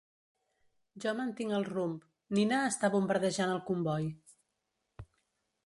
Jo mantinc el rumb, Nina està bombardejant el comboi.